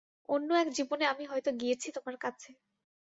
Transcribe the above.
অন্য এক জীবনে আমি হয়তো গিয়েছি তোমার কাছে।